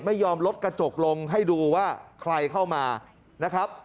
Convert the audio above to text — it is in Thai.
ไม่ยอมลดกระจกลงให้ดูว่าใครเข้ามานะครับ